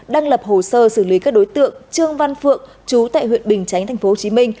đang lập hồ sơ xử lý các đối tượng trương văn phượng chú tại huyện bình chánh tp hcm